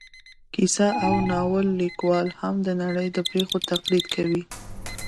کیسه او ناول لیکوال هم د نړۍ د پېښو تقلید کوي